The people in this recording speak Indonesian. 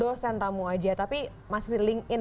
dosen tamu aja tapi masih link in